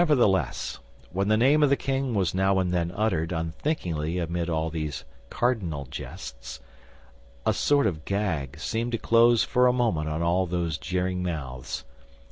Nevertheless, when the name of the king was now and then uttered unthinkingly amid all these cardinal jests, a sort of gag seemed to close for a moment on all these jeering mouths.